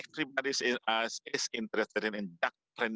semua orang tertarik dengan jakartan